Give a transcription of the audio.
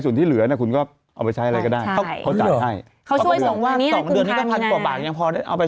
ส่วนที่เหลือคุณก็เอาไปใช้อะไรก็ได้